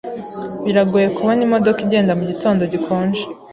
Biragoye kubona imodoka igenda mugitondo gikonje.